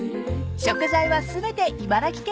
［食材は全て茨城県産］